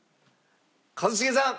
一茂さん。